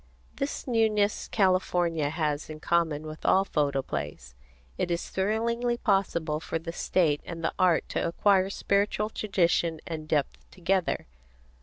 This newness California has in common with all photoplays. It is thrillingly possible for the state and the art to acquire spiritual tradition and depth together.